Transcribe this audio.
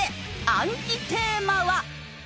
暗記テーマは。